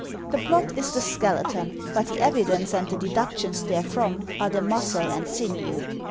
The plot is the skeleton, but the evidence and the deduc tions therefrom are the muscle and sinew.